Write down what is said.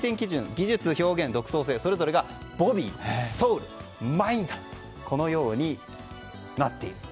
技術、表現、独創性それぞれがボディ、ソウルマインドとこのようになっていると。